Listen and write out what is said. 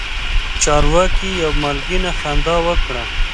چارواکي یوه مالګینه خندا وکړه.